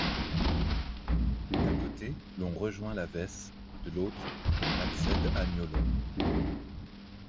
D'un côté l'on rejoint la Vesse de l'autre l'on accède à Niolon.